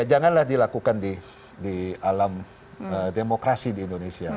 janganlah dilakukan di alam demokrasi di indonesia